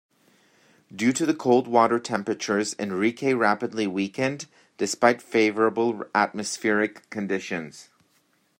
Due to the cold water temperatures Enrique rapidly weakened, despite favorable atmospheric conditions.